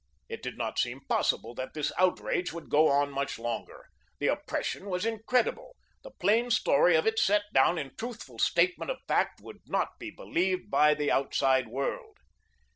It did not seem possible that this outrage could go on much longer. The oppression was incredible; the plain story of it set down in truthful statement of fact would not be believed by the outside world.